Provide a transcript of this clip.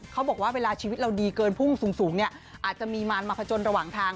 เขาบอกว่าเวลาชีวิตเราดีเกินพุ่งสูงเนี่ยอาจจะมีมารมาผจญระหว่างทาง